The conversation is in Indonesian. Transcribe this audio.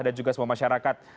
dan juga semua masyarakat